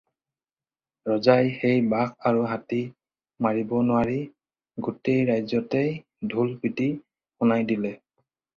ৰজাই সেই বাঘ আৰু হাতী মাৰিব নোৱাৰি গোটেই ৰাজ্যতে ঢোল পিটি শুনাই দিলে।